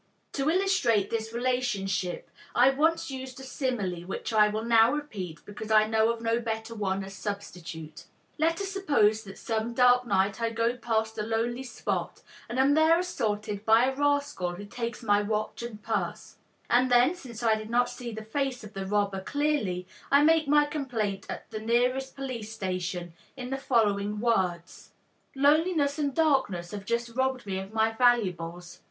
To illustrate this relationship, I once used a simile which I will now repeat because I know of no better one as substitute. Let us suppose that some dark night I go past a lonely spot and am there assaulted by a rascal who takes my watch and purse; and then, since I did not see the face of the robber clearly, I make my complaint at the nearest police station in the following words: "Loneliness and darkness have just robbed me of my valuables."